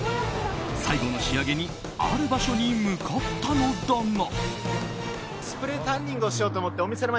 最後の仕上げにある場所に向かったのだが。